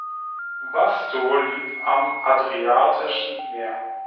Vasto liegt am Adriatischen Meer.